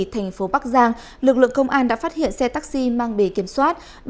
thành phố bắc giang lực lượng công an đã phát hiện xe taxi mang bề kiểm soát